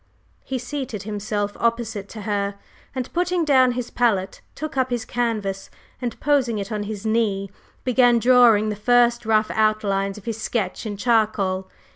He seated himself opposite to her, and, putting down his palette, took up his canvas, and posing it on his knee, began drawing the first rough outline of his sketch in charcoal.